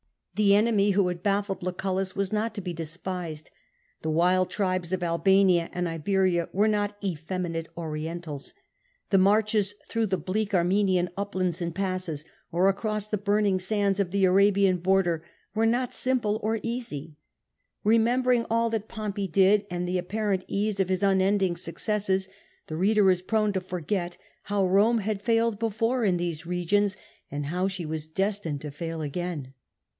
The enemy who had baffled Lucullus was not to be despised; the wild tribes of Albania and Iberia were not '^effemi nate Orientals ;" the marches through the bleak Arme nian uplands and passes, or across the burning sands of the Arabian border were not simple or easy. Ee membering all that Pompey did, and the apparent ease of his unending successes, the reader is prone to forget how Eome had failed before in these regions, and how she was destined to fail again.